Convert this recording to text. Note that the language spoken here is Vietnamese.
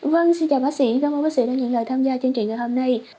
vâng xin chào bác sĩ cảm ơn bác sĩ đã nhận lời tham gia chương trình ngày hôm nay